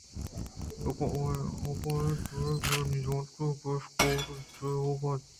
آگاہ اِنت بلئے نہ زانت کہ آئی ءِ کش ءُگور ءَ چے بوئگ ءَ اِنت